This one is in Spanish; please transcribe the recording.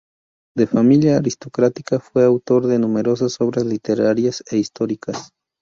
De familia aristocrática, fue autor de numerosas obras literarias e históricas.